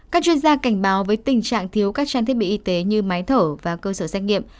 các chuyên gia cảnh báo với tình trạng thiếu các trang thiết bị y tế như máy thở và cơ sở xét nghiệm